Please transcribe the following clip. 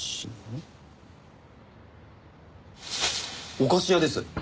お菓子屋です！